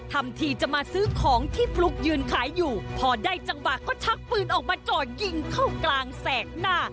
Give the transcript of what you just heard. ทำทีจะมาซื้อของที่ฟลุ๊กยืนขายอยู่พอได้จังหวะก็ชักปืนออกมาจ่อยิงเข้ากลางแสกหน้า